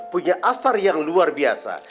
punya asar yang luar biasa